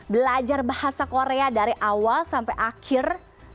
belajar bahasa korea dari awal sampai akhir